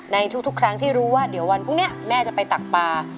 ในทุกครั้งที่รู้ว่าเดี๋ยววันพรุ่งนี้แม่จะไปตักปลา